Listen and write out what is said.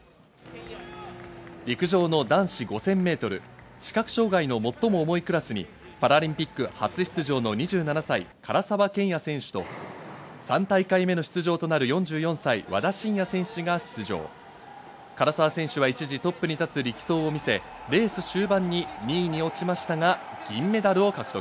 陸上の男子５０００ｍ視覚障害の最も重いクラスにパラリンピック初出場の２７歳、唐澤剣也選手と３大会目の出場となる４４歳、和田伸也選手が出場、唐澤選手は一時トップにたつ力走を見せ、レース終盤に２位に落ちましたが、銀メダルを獲得。